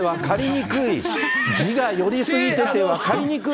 字が寄り過ぎてて分かりにくい。